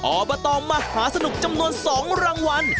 อบตมหาสนุกจำนวน๒รางวัล